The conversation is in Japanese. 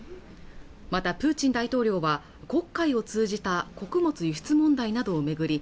またプーチン大統領は黒海を通じた穀物輸出問題などを巡り